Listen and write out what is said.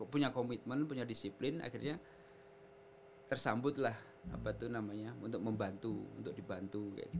punya komitmen punya disiplin akhirnya tersambutlah apa itu namanya untuk membantu untuk dibantu